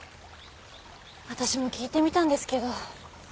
私も聞いてみたんですけど。